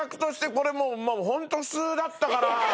これもう本当普通だったから。